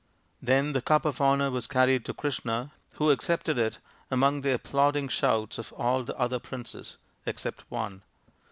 Then the cup of honour was carried to Krishna, who accepted it among the applauding shouts of all the other princes except one